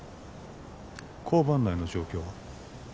交番内の状況は？